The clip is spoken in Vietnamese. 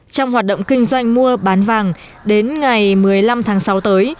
trong hoạt động kinh doanh mua bán vàng đến ngày một mươi năm tháng sáu tới